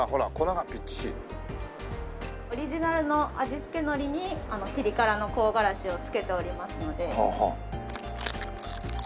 オリジナルの味付け海苔にピリ辛の香辛子を付けておりますので。